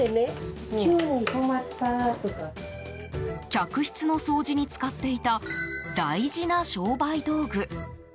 客室の掃除に使っていた大事な商売道具。